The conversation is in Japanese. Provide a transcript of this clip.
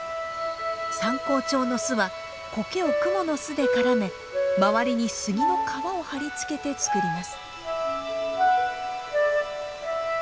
サンコウチョウの巣はコケをクモの巣で絡め周りに杉の皮を貼り付けて作ります。